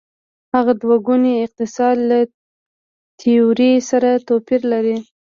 هغه دوه ګونی اقتصاد له تیورۍ سره توپیر لري.